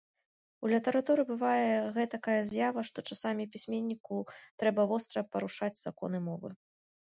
У літаратуры бывае гэтакая з'ява, што часамі пісьменніку трэба востра парушаць законы мовы.